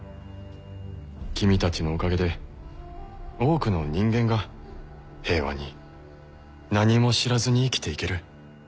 君たちのおかげで多くの人間が平和に何も知らずに生きていける。